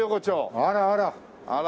あらあら。